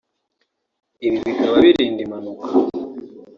ibi bikaba birinda impanuka